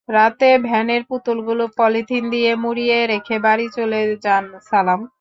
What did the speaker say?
রাতে ভ্যানের পুতুলগুলো পলিথিন দিয়ে মুড়িয়ে রেখে বাড়ি চলে যান সালাম।